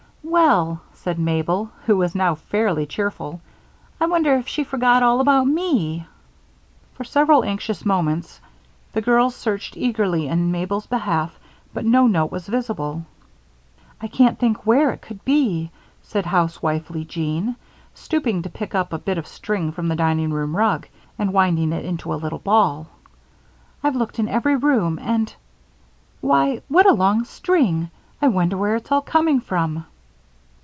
"Well," said Mabel, who was now fairly cheerful, "I wonder if she forgot all about me." For several anxious moments the girls searched eagerly in Mabel's behalf but no note was visible. "I can't think where it could be," said housewifely Jean, stooping to pick up a bit of string from the dining room rug, and winding it into a little ball. "I've looked in every room and Why! what a long string! I wonder where it's all coming from."